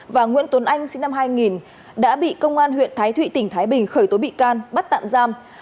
và nguyễn tuấn anh sinh năm hai nghìn đã bị công an huyện thái thụy tỉnh thái bình khởi tố bị can bắt tạm giam